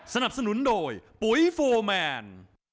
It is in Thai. สนับสนุนโดยปุ๋ยโฟร์แมน